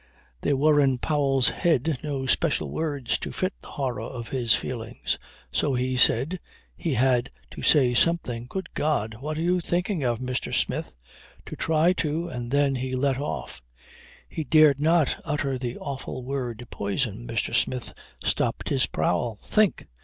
There were in Powell's head no special words to fit the horror of his feelings. So he said he had to say something, "Good God! What were you thinking of, Mr. Smith, to try to ..." And then he left off. He dared not utter the awful word poison. Mr. Smith stopped his prowl. "Think!